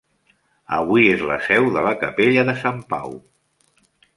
Avui és la seu de la capella de Sant Pau.